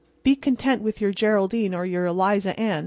Be content with your Geraldine or your Eliza Ann.